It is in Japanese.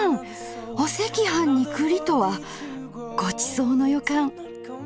お赤飯に栗とはごちそうの予感。